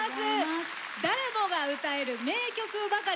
誰もが歌える名曲ばかり！